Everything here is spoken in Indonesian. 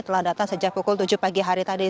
telah datang sejak pukul tujuh pagi hari tadi